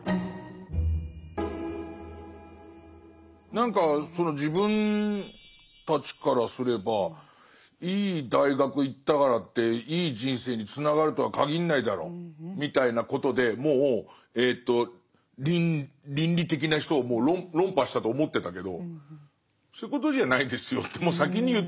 何かその自分たちからすればいい大学行ったからっていい人生につながるとは限んないだろみたいなことでもう倫理的な人を論破したと思ってたけどそういうことじゃないですよってもう先に言ってんのね。